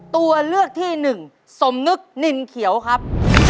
ตัวเลือกที่หนึ่งสมนึกนินเขียวครับ